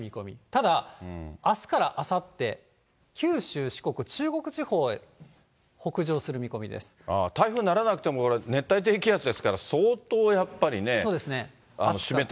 ただ、あすからあさって、九州、四国、台風にならなくても、これ、熱帯低気圧ですから、そうですね。